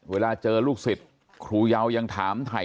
เวลาเจอลูกศิษย์ครูเยายังถามถ่าย